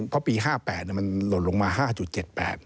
เพราะปี๕๘มันหล่นลงมา๕๗๘